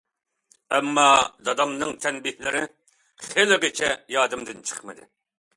ئەمما دادامنىڭ تەنبىھلىرى خېلىغىچە يادىمدىن چىقمىدى.